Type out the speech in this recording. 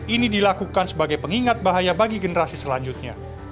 ini dilakukan sebagai pengingat bahaya bagi generasi selanjutnya